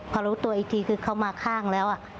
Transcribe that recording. พอรู้ตัวอีกทีคือเขามาข้างแล้ว